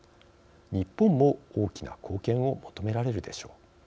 日本も大きな貢献を求められるでしょう。